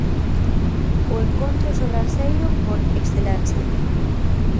O encontro sobranceiro por excelencia.